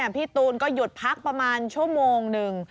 พี่ตูนก็หยุดพักประมาณชั่วโมงหนึ่ง